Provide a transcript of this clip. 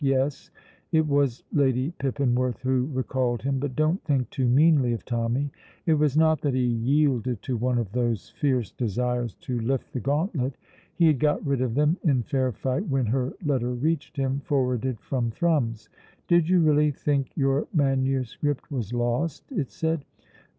Yes, it was Lady Pippinworth who recalled him, but don't think too meanly of Tommy. It was not that he yielded to one of those fierce desires to lift the gauntlet; he had got rid of them in fair fight when her letter reached him, forwarded from Thrums. "Did you really think your manuscript was lost?" it said.